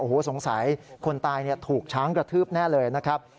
โอ้โหสงสัยคนตายถูกช้างกระทืบแน่เลยนะครับ